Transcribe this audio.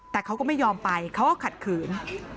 แต่เขาก็ไม่ยอมไปเขาก็ขัดขืน